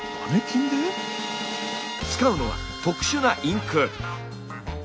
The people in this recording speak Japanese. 使うのは特殊なインク。